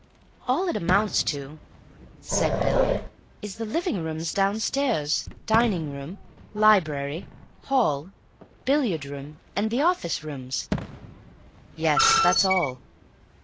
"All it amounts to," said Bill, "is the living rooms downstairs—dining room, library, hall, billiard room and the office rooms." "Yes, that's all."